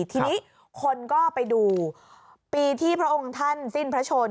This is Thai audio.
ทีนี้คนก็ไปดูปีที่พระองค์ท่านสิ้นพระชน